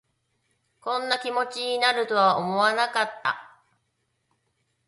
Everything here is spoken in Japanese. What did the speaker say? こんな気持ちになるとは思わなかった